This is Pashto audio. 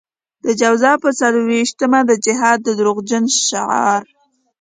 د جوزا په څلور وېشتمه د جهاد د دروغجن شعار.